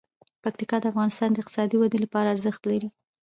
پکتیا د افغانستان د اقتصادي ودې لپاره ارزښت لري.